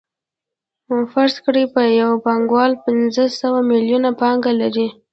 فرض کړئ یو پانګوال پنځه سوه میلیونه پانګه لري